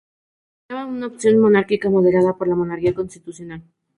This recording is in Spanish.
Representaba una opción monárquica moderada por la monarquía constitucional.